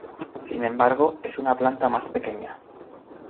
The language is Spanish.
Sin embargo, es una planta más pequeña.